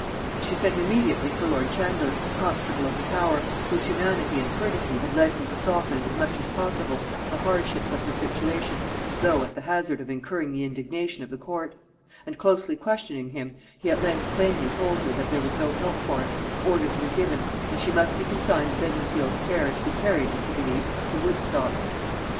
She sent immediately for lord Chandos, constable of the Tower, whose humanity and courtesy had led him to soften as much as possible the hardships of her situation, though at the hazard of incurring the indignation of the court; and closely questioning him, he at length plainly told her that there was no help for it, orders were given, and she must be consigned to Beddingfield's care to be carried, as he believed, to Woodstock.